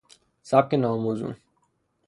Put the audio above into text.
سبک ناموزون